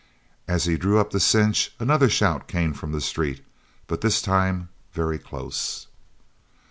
As he drew up the cinch another shout came from the street, but this time very close.